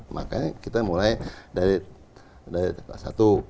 makanya kita mulai dari satu